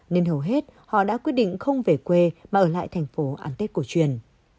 nên hầu hết họ đã quyết định không về quê mà ở lại thành phố ăn tết cổ truyền